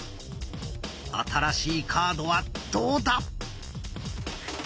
新しいカードはどうだ？